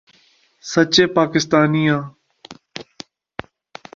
سچے پاکستانی آں۔